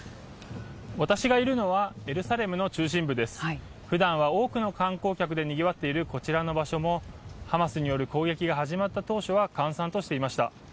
私がいるのはエルサレムの中心部です。ふだんは多くの観光客でにぎわっているこちらの場所もハマスの攻撃が始まった当初は閑散としていました。